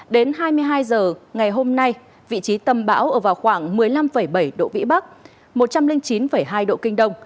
đến hai mươi hai h ngày hôm nay vị trí tâm bão ở vào khoảng một mươi năm bảy độ vĩ bắc một trăm linh chín hai độ kinh đông